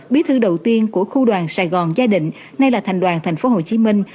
bí thư đầu tiên của khu đoàn sài gòn gia định nay là thành đoàn thành phố hồ chí minh